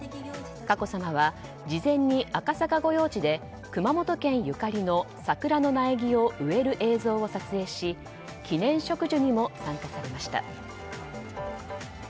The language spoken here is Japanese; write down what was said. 佳子さまは事前に赤坂御用地で熊本県ゆかりの桜の苗木を植える映像を撮影し記念植樹にも参加されました。